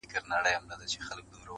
o ولي خو د جنگ نيمى دئ٫